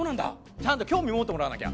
ちゃんと興味持ってもらわなきゃ。